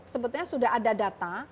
sebetulnya sudah ada data